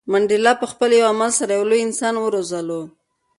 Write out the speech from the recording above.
منډېلا په خپل یو عمل سره یو لوی انسان وروزلو.